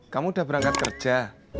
kamu sudah berangkat kerja